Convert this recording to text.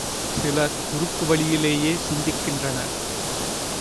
சிலர் குறுக்குவழியிலேயே சிந்தின்கின்றனர்.